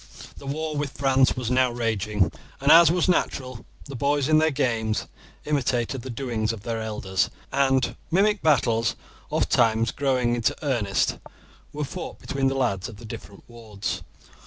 The war with France was now raging, and, as was natural, the boys in their games imitated the doings of their elders, and mimic battles, ofttimes growing into earnest, were fought between the lads of the different wards.